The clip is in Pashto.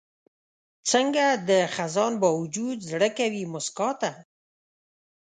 څنګه د خزان باوجود زړه کوي موسکا ته؟